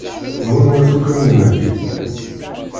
N wanwa-t ukamyun-aki?